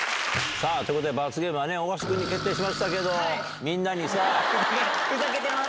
さあ、ということで、罰ゲームはね、大橋君に決定しましたけど、みんなにさ。